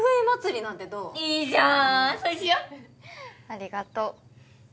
ありがとう。